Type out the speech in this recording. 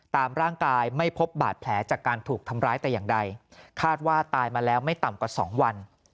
ตามร่างกายไม่พบบาดแผลจากการถูกทำร้ายแต่อย่างใดคาดว่าตายมาแล้วไม่ต่ำกว่า๒วัน